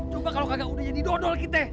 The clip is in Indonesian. coba kalau kagak udah jadi dodol kita